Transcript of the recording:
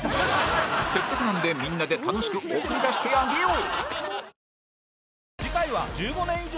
せっかくなんでみんなで楽しく送り出してあげよう！